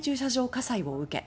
火災を受け